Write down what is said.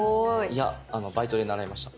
いやバイトで習いました。